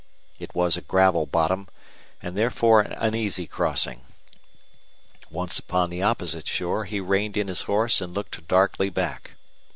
It was a gravel bottom, and therefore an easy crossing. Once upon the opposite shore he reined in his horse and looked darkly back.